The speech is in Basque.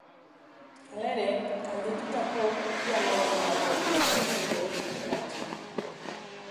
Hala ere, galdetutako ia laurden batek ez daki edo ez du erantzun.